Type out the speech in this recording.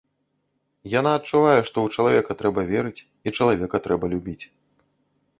Яна адчувае, што ў чалавека трэба верыць і чалавека трэба любіць.